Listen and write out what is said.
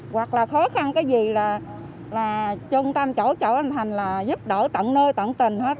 hoặc là khó khăn cái gì là trung tâm chỗ chợ anh thành là giúp đỡ tận nơi tận tình hết